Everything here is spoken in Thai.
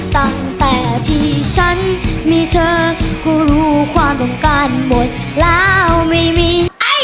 ตั้งแต่ที่ฉันมีเธอกูรู้ความต้องการหมดแล้วไม่มีไอ้